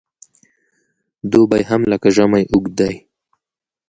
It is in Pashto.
دوبی هم لکه ژمی اوږد دی .